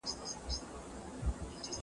د غاښونو د پاکوالي لپاره مسواک تر ټولو ښه دی.